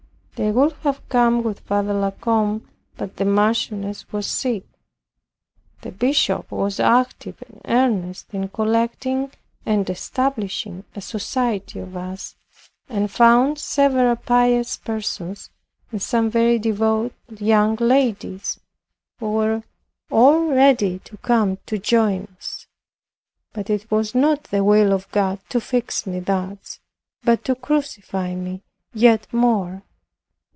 They would have come with Father La Combe, but the Marchioness was sick. The bishop was active and earnest in collecting and establishing a society of us, and found several pious persons and some very devout young ladies, who were all ready to come to join us. But it was not the will of God for fix me thus, but to crucify me yet more.